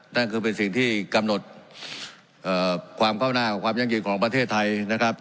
นั่นคือเป็นสิ่งที่กำหนดความก้าวหน้าของความยั่งยืนของประเทศไทยนะครับ